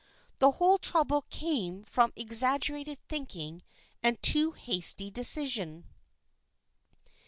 The whole trouble came from exaggerated think ing and too hasty decision.